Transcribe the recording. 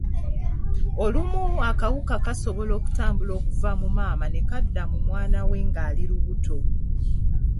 Olumu akawuka kasobola okutambula okuva mu maama ne kadda mu mwana we ng’ali lubuto.